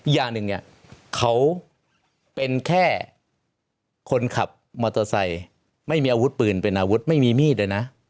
อย่างหนึ่งเนี่ยเขาเป็นแค่คนขับมอเตอร์ไซค์ไม่มีอาวุธปืนเป็นอาวุธไม่มีมีดเลยนะ